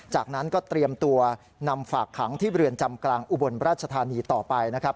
จากนั้นก็เตรียมตัวนำฝากขังที่เรือนจำกลางอุบลราชธานีต่อไปนะครับ